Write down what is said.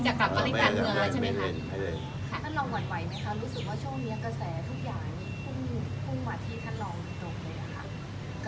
ไม่สนใจที่จะกลับมาในภรรย์หัวใช่มั้ยคะ